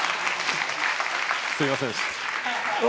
すいませんでした。